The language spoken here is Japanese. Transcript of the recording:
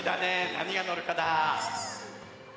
なにがのるかな？